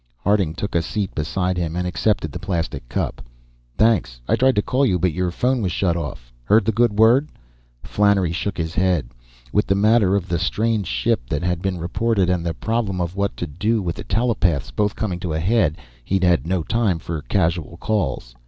Harding took a seat beside him, and accepted the plastic cup. "Thanks. I tried to call you, but your phone was shut off. Heard the good word?" Flannery shook his head. With the matter of the strange ship that had been reported and the problem of what to do with the telepaths both coming to a head, he'd had no time for casual calls.